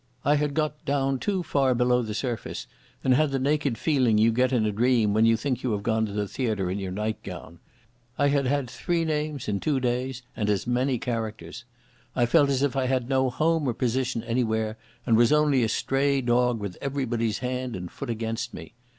I had got down too far below the surface, and had the naked feeling you get in a dream when you think you have gone to the theatre in your nightgown. I had had three names in two days, and as many characters. I felt as if I had no home or position anywhere, and was only a stray dog with everybody's hand and foot against me.